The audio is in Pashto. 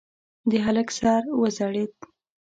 د هلک سر وځړېد.